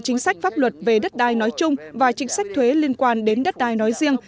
chính sách pháp luật về đất đai nói chung và chính sách thuế liên quan đến đất đai nói riêng